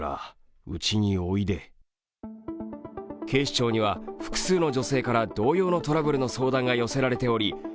警視庁には複数の女性から同様のトラブルの相談が寄せられており。